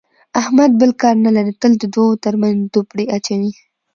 احمد بل کار نه لري، تل د دوو ترمنځ دوپړې اچوي.